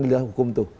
di dalam hukum itu